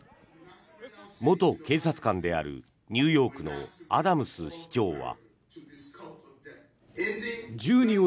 元警察官であるニューヨークのアダムス市長は。